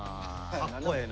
かっこええな。